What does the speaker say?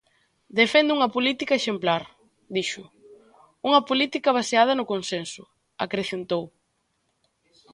"Defendo unha política exemplar", dixo, "unha política baseada no consenso", acrecentou.